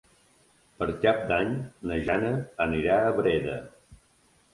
Per Cap d'Any na Jana anirà a Breda.